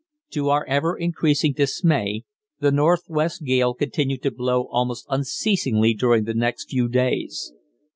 To our ever increasing dismay, the northwest gale continued to blow almost unceasingly during the next few days.